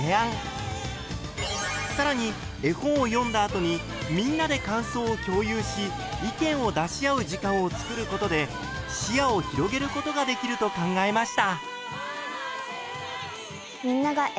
更に絵本を読んだ後にみんなで感想を共有し意見を出し合う時間をつくることで視野を広げることができると考えました。